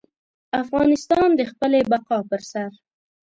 افغانستان د خپلې بقا پر سر.